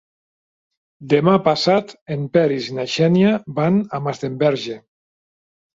Demà passat en Peris i na Xènia van a Masdenverge.